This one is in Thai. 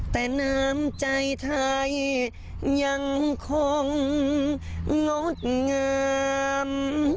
แต่น้ำใจไทยยังคงงดงาม